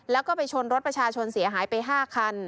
แล้วก็ไปชนรถประชาชนเสียหายไป๕คัน